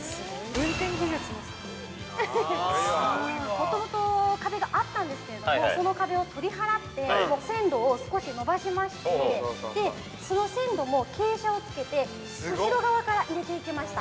◆もともと、壁があったんですけれどもその壁を取り払って、もう線路を少し延ばしまして、その線路も傾斜をつけて後ろ側から入れていきました。